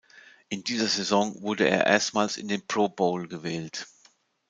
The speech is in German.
In dieser Saison wurde er erstmals in den Pro Bowl gewählt.